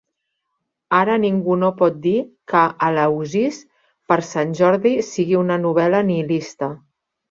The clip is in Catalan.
Ara ningú no pot dir que Eleusis per Sant Jordi sigui una novel·la nihilista.